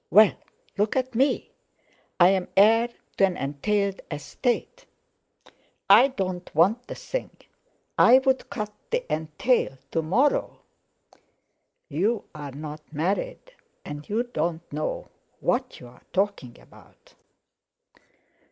"Well, look at me! I'm heir to an entailed estate. I don't want the thing; I'd cut the entail to morrow." "You're not married, and you don't know what you're talking about."